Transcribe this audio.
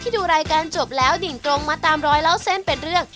ดูรายการจบแล้วดิ่งตรงมาตามรอยเล่าเส้นเป็นเรื่อง